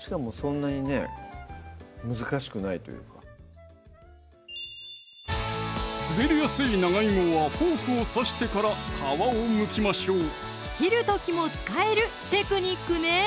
しかもそんなにね難しくないというか滑りやすい長いもはフォークを刺してから皮をむきましょう切る時も使えるテクニックね！